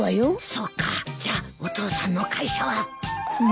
そうかじゃお父さんの会社は。